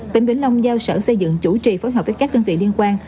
tỉnh vĩnh long giao sở xây dựng chủ trì phối hợp với các đơn vị liên quan